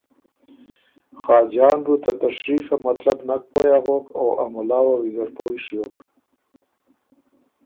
خاجان بُو ته تشریف په مطلب نک پویٛ اغوک او ا مُلا وه ویزر پویٛ ݭیوک